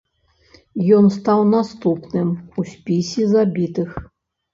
Ён стаў наступным у спісе забітых.